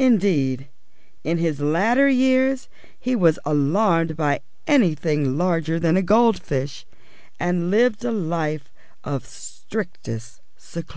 Indeed, in his latter years he was alarmed by anything larger than a goldfish, and lived a life of strictest seclusion.